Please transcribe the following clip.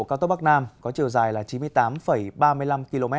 cao tốc bắc nam có chiều dài là chín mươi tám ba mươi năm km